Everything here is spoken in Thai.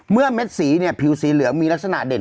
เม็ดสีเนี่ยผิวสีเหลืองมีลักษณะเด่น